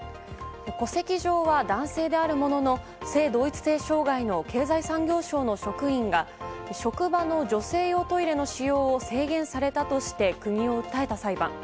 戸籍上は男性であるものの性同一性障害の経済産業省の職員が職場の女性用トイレの使用を制限されたとして国を訴えた裁判。